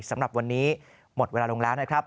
สำหรับวันนี้หมดเวลาลงแล้วนะครับ